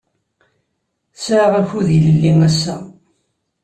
Sɛiɣ akud ilelli ass-a.